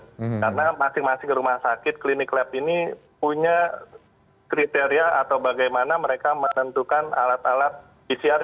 karena masing masing rumah sakit klinik lab ini punya kriteria atau bagaimana mereka menentukan alat alat pcr